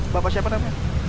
bapak siapa namanya